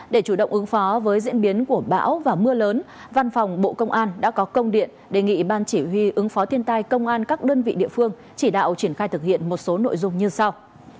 để chủ động ứng phó với diễn biến của bão và mưa lớn văn phòng bộ công an đã có công điện đề nghị ban chỉ huy ứng phó thiên tai công an các đơn vị địa phương chỉ đạo triển khai thực hiện một số nội dung như sau